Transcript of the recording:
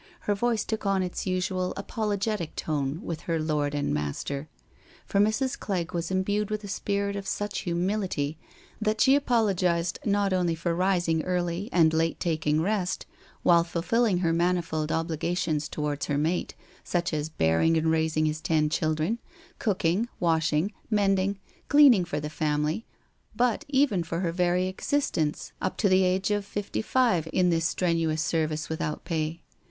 Her voice took on its usual apologetic tone with her lord and master. For Mrs. Clegg was imbued with a spirit of such humility that she apologised not only for rising early and late taking rest, while fulfilling her manifold ob ligations towards her mate, such as bearing and raising his ten children, cooking, washing, mending, cleaning for the family, but even for her very existence up to l6 NO SURRENDER the age of fifty five in this strenuous service without pay.